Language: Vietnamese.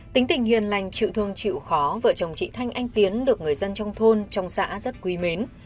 tính tình hiền lành chịu thương chịu khó vợ chồng chị thanh anh tiến được người dân trong thôn trong xã rất quý mến